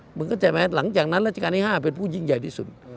คุณเข้าใจไหมหลังจากนั้นราชการที่๕เป็นผู้ยิ่งใหญ่ที่สุด